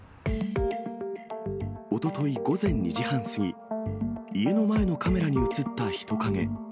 おととい午前２時半過ぎ、家の前のカメラに写った人影。